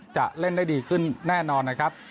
จะเล่นได้ดีขึ้นแน่นอนนะครับ